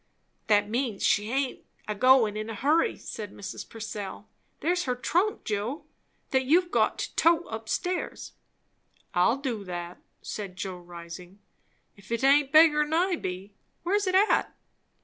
"That means she aint a goin' in a hurry," said Mrs. Purcell. "There's her trunk, Joe, that you've got to tote up stairs." "I'll do that," said Joe rising; "if it aint bigger 'n I be. Where is it at?"